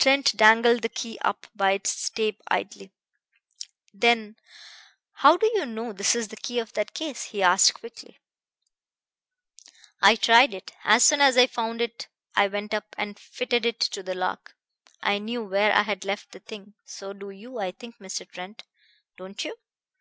Trent dangled the key by its tape idly. Then "How do you know this is the key of that case?" he asked quickly. "I tried it. As soon as I found it I went up and fitted it to the lock. I knew where I had left the thing. So do you, I think, Mr. Trent. Don't you?"